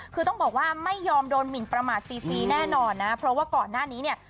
คือต้องบอกว่าไม่ยอมโดนหมินประมาทฟรีฟรีแน่นอนนะเพราะว่าก่อนหน้านี้เนี่ย